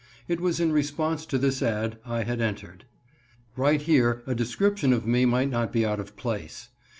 It was in response to this ad I had entered. Right here a description of me might not be out of place.